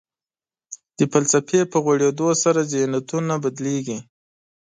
د فلسفې په غوړېدو سره ذهنیتونه بدلېږي.